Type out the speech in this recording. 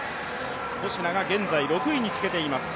コシナが現在６位につけています。